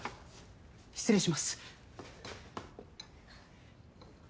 失礼します。